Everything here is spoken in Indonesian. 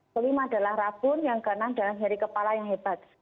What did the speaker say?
kelima adalah rabun yang keenam dalam nyeri kepala yang hebat